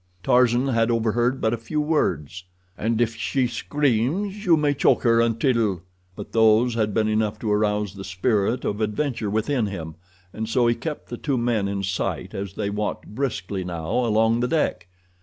Tarzan had overheard but a few words: "And if she screams you may choke her until—" But those had been enough to arouse the spirit of adventure within him, and so he kept the two men in sight as they walked, briskly now, along the deck.